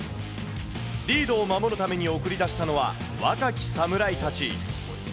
リードを守るために送り出したのは、若き侍たち。